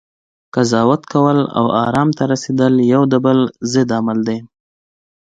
قضاوت کول، او ارام ته رسیدل یو د بل ضد عمل دی